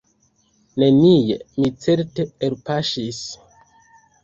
Nenie mi, certe, elpaŝis.